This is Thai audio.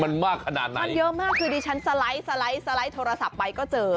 มันมากขนาดไหนมันเยอะมากคือดิฉันสไลด์โทรศัพท์ไปก็เจอ